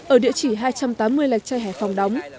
ở địa chỉ hai trăm tám mươi lạch chai hẻ phòng đóng